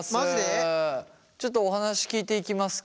ちょっとお話聞いていきますか。